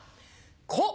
「こ」